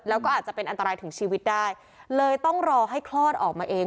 แล้วก็อาจจะเป็นอันตรายถึงชีวิตได้เลยต้องรอให้คลอดออกมาเอง